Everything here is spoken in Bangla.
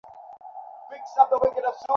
কোন নৈতিকতার মানদণ্ড না।